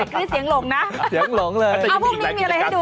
นี่เสียงหลงนะเสียงหลงเลยเอาพรุ่งนี้มีอะไรให้ดู